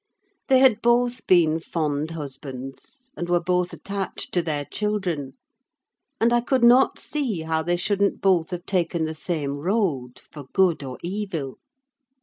They had both been fond husbands, and were both attached to their children; and I could not see how they shouldn't both have taken the same road, for good or evil.